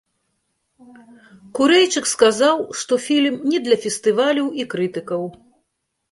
Курэйчык сказаў, што фільм не для фестываляў і крытыкаў.